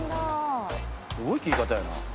「すごい切り方やな」